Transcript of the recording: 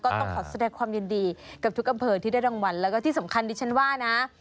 ต้องขอแสดงความยินดีกับทุกอำเภอที่ได้รางวัลแล้วก็ที่สำคัญดิฉันว่านะ